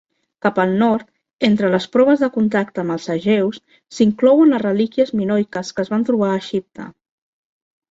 Cap al nord, entre las proves de contacte amb els egeus, s"inclouen les relíquies minoiques que es van trobar a Egipte.